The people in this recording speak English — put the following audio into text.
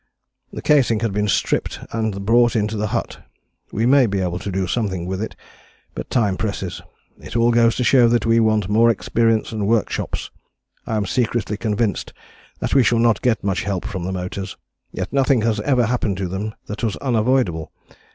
The casing had been stripped and brought into the hut: we may be able to do something to it, but time presses. It all goes to show that we want more experience and workshops. I am secretly convinced that we shall not get much help from the motors, yet nothing has ever happened to them that was unavoidable.